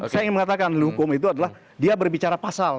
saya ingin mengatakan hukum itu adalah dia berbicara pasal